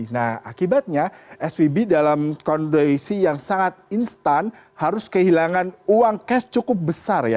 nah akibatnya svb dalam kondisi yang sangat instan harus kehilangan uang cash cukup besar ya